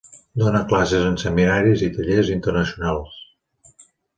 Dóna classes en seminaris i tallers internacionals.